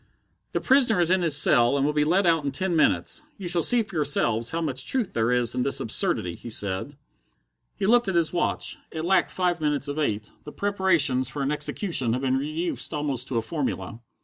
"The prisoner is in his cell, and will be led out in ten minutes. You shall see for yourselves how much truth there it in this absurdity," he said. He looked at his watch. It lacked five minutes of eight. The preparations for an execution had been reduced almost to a formula.